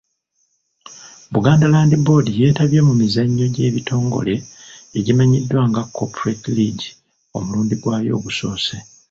Buganda Land Board yeetabye mu mizannyo gy'ebitongole egimannyiddwa nga Corporate League omulundi gwayo ogusoose.